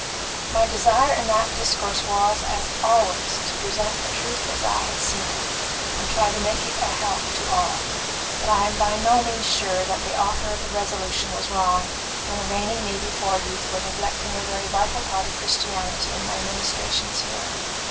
"My desire in that discourse was, as always, to present the truth as I had seen it, and try to make it a help to all. But I am by no means sure that the author of the resolution was wrong in arraigning me before you for neglecting a very vital part of Christianity in my ministrations here.